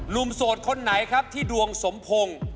ลุมโสดคนไหนที่ดวงสมพงษ์